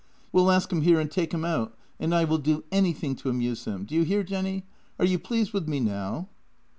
We'll ask him here and take him out, and I will do anything to amuse him. Do you hear, Jenny? Are you pleased with me now?